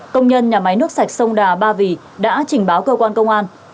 công nhân nhà máy nước sạch sông đà ba vì đã trình báo cơ quan công an